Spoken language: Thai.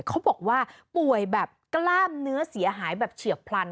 เขาบอกว่าป่วยแบบกล้ามเนื้อเสียหายแบบเฉียบพลัน